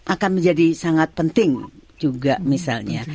akan menjadi sangat penting juga misalnya